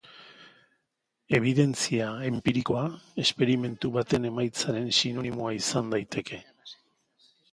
Ebidentzia enpirikoa esperimentu baten emaitzaren sinonimoa izan daiteke.